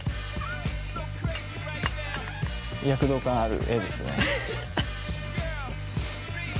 躍動感ある画ですね。